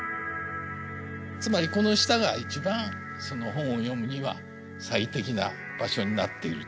つまりこの下が一番本を読むには最適な場所になっている。